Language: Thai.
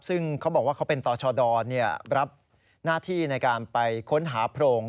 ซึ่งเขาบอกว่าเขาเป็นต่อชดรับหน้าที่ในการไปค้นหาโพรง